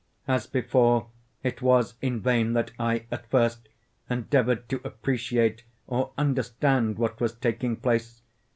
As before, it was in vain that I, at first, endeavoured to appreciate or understand what was taking place.